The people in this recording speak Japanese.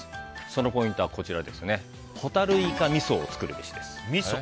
そのポイントはホタルイカみそを作るべしです。